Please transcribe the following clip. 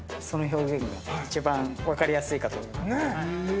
その表現が一番わかりやすいかと。